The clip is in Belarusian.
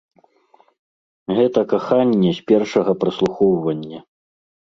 Гэта каханне з першага праслухоўвання!